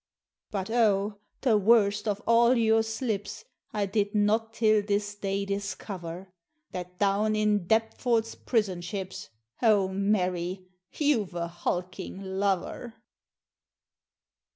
But oh! the worst of all your slips I did not till this day discover That down in Deptford's prison ships, O Mary! you've a hulking lover!